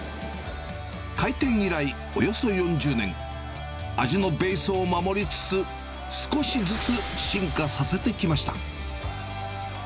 開店以来、およそ４０年、味のベースを守りつつ、少しずつ進化させてきました。